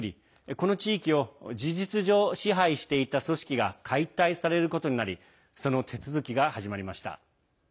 この地域を事実上、支配していた組織が解体されることになりその手続きが始まりました。